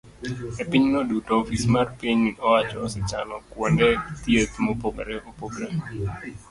E pinyno duto, ofis mar piny owacho osechano kuonde thieth mopogore opogore